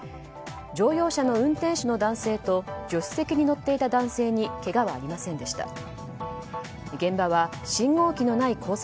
乗用車の運転手の男性と助手席に乗っていた男性にけがはありませんでした。